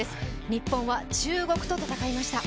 日本は中国と戦いました。